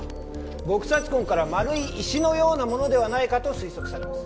撲殺痕から丸い石のようなものではないかと推測されます